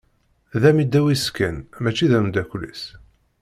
D amidaw-is kan, mačči d amdakel-is.